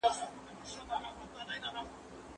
ډیپلوماټیک استازي د هیوادونو ترمنځ د اړیکو ساتونکي دي.